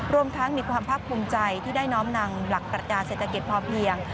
รวมทั้งมีความภาคภูมิใจที่ได้น้อมนำหลักปรัชญาเศรษฐกิจพอเพียง